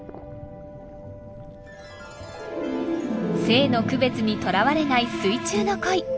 性の区別にとらわれない水中の恋。